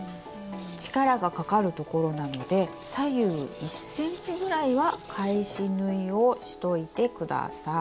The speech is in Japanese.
力がかかるところなので左右１ｃｍぐらいは返し縫いをしといて下さい。